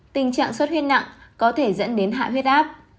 tình trạng sốt huyết nặng có thể dẫn đến hại huyết áp